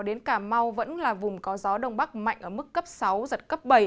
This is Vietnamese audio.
đến cà mau vẫn là vùng có gió đông bắc mạnh ở mức cấp sáu giật cấp bảy